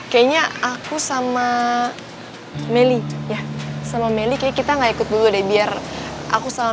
kayaknya aku sama